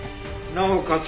なおかつ